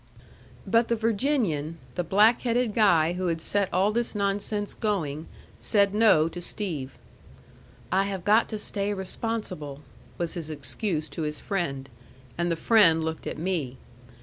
But the Virginian, the black headed guy who had set all this nonsense going, said No to Steve. "I have got to stay responsible," was his excuse to his friend. And the friend looked at me.